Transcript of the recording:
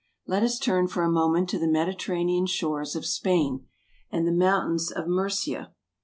Let us turn for a moment to the Mediterranean shores of Spain, and the mountains of Murcia.